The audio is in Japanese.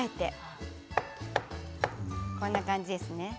こんな感じですね。